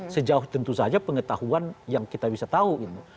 sejauh tentu saja pengetahuan yang kita bisa tahu gitu